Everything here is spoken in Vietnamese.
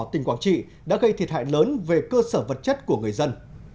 tỉnh quảng trị đã gây thiệt hại lớn về cơ sở vật chất của người dân